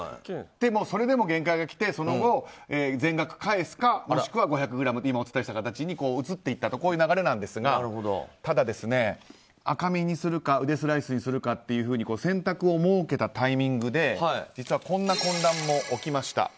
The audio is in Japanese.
それでも限界がきて、その後全額返すか、もしくは５００ｇという形に移っていったとこういう流れなんですがただ、赤身にするかウデスライスにするかという選択を設けたタイミングで実はこんな混乱も起きました。